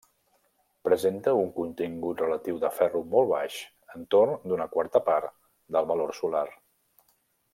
Presenta un contingut relatiu de ferro molt baix, entorn d'una quarta part del valor solar.